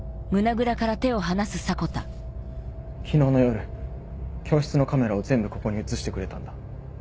昨日の夜教室のカメラを全部ここに移してくれたんだ。